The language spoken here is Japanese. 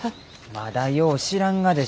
まだよう知らんがでしょう？